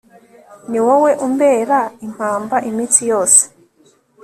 ni wowe umbera impamba iminsi yose